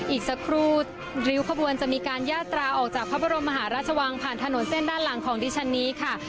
อีกสักครู่ริ้วขบวนจะมีการยาตราออกจากพระบรมมหาราชวังผ่านถนนเส้นด้านหลังของดิฉันนี้ค่ะ